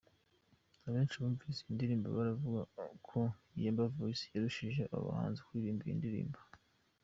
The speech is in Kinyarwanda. Abenshi bumvise iyi ndirimbo baravuga ko Yemba Voice yarushije aba bahanzi kuririmba iyi ndirimbo.